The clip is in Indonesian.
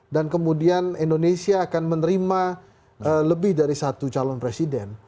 dan kemudian indonesia akan menerima lebih dari satu calon presiden